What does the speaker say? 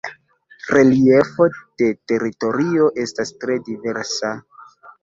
Reliefo de teritorio estas tre diversa.